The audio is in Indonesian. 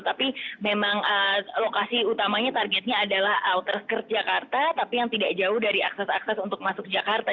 tapi memang lokasi utamanya targetnya adalah outersker jakarta tapi yang tidak jauh dari akses akses untuk masuk jakarta